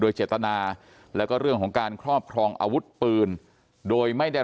โดยเจตนาแล้วก็เรื่องของการครอบครองอาวุธปืนโดยไม่ได้